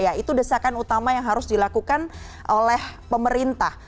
ya itu desakan utama yang harus dilakukan oleh pemerintah